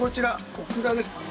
オクラですね。